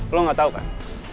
lo gak tau kan